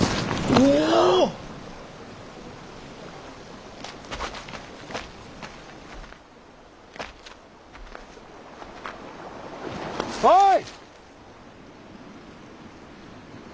おい！